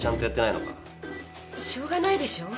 しょうがないでしょ